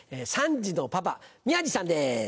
３児のパパ宮治さんです。